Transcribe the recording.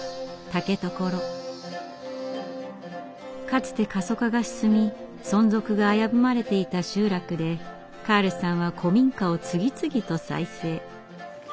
かつて過疎化が進み存続が危ぶまれていた集落でカールさんは古民家を次々と再生。